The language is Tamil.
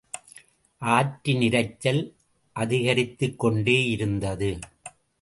ஆற்றின் இரைச்சல் அதிகரித்துக்கொண்டேயிருந்தது.